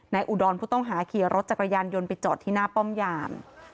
อุดรผู้ต้องหาขี่รถจักรยานยนต์ไปจอดที่หน้าป้อมยาม